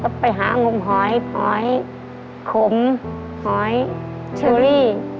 อยู่บ้านก็ถักไฟได้ไว้